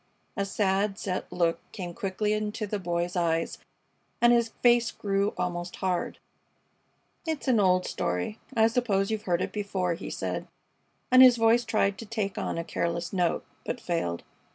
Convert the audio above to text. A sad, set look came quickly into the Boy's eyes and his face grew almost hard. "It's an old story. I suppose you've heard it before," he said, and his voice tried to take on a careless note, but failed.